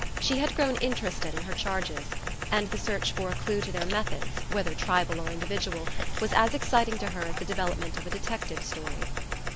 She had grown interested in her charges, and the search for a clue to their methods, whether tribal or individual, was as exciting to her as the development of a detective story.